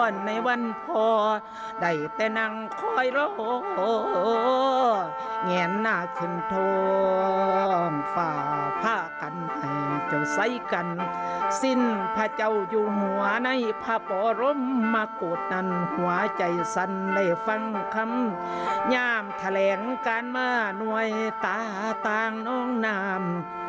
ดาแหงการมาหน่วยตาตางน้องนาม